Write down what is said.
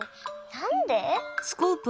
なんで？